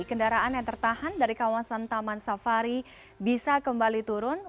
kendaraan yang tertahan dari kawasan taman safari bisa kembali turun